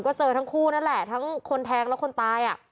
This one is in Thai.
ก็เจอทั้งคู่นั่นแหละทั้งคนแทงและคนตาย